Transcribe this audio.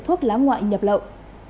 thuốc lá ngoại nhập lậu